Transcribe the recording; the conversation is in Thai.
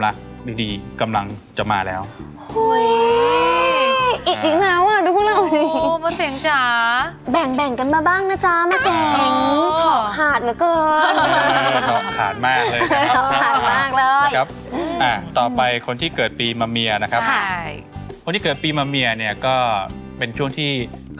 เราจะเริ่มมองออกเป็นอะไร